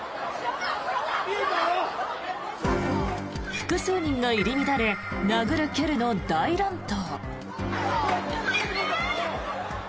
複数人が入り乱れ殴る蹴るの大乱闘。